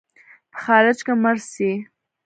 په خارج کې مړ سې.